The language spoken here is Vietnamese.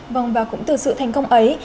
vâng và cũng từ sự thành công ấy